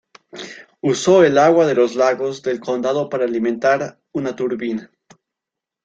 Usó el agua de los lagos del condado para alimentar una turbina.